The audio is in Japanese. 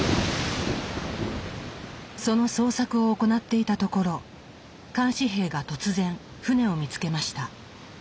その捜索を行っていたところ監視兵が突然船を見つけました。